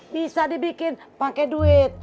bisa dibikin pake duit